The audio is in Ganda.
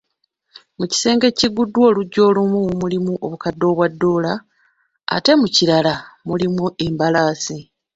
Mu kisenge ekiggaddwa oluggi olumu mulimu obukadde obwa doola, ate mu kirala mulimu embalaasi.